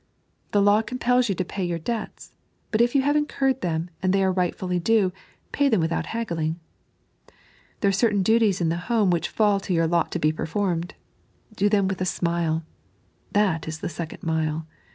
The law compels you to pay your debts ; but if you have incurred them, and they are rightfully due, pay them without haggling. There are certAin duties in the home which fall to your lot to be performed : do them with a smile ; thai ia the leeond tnile.